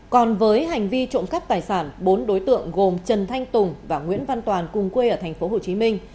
còn với hành vi trộm cắp tài sản bốn đối tượng gồm trần thanh tùng và nguyễn văn toàn cùng quê ở thành phố hồ chí minh